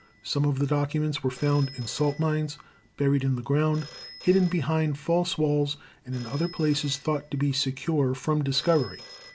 Some of the documents were found in salt mines, buried in the ground, hidden behind false walls and in other places thought to be secure from discovery.